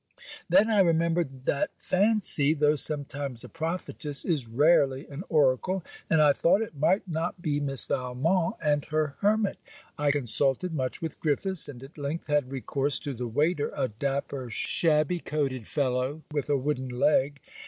Then, I remembered, that fancy, though sometimes a prophetess, is rarely an oracle, and I thought it might not be Miss Valmont and her hermit. I consulted much with Griffiths; and, at length, had recourse to the waiter, a dapper shabby coated fellow with a wooden leg.